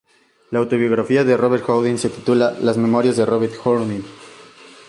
La autobiografía de Robert-Houdin se titula "Las memorias de Robert-Houdin".